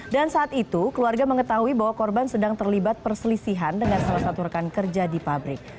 dan saat itu keluarga mengetahui bahwa korban sedang terlibat perselisihan dengan salah satu rekan kerja di pabrik